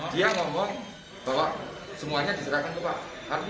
dia ngomong bahwa semuanya diserahkan ke pak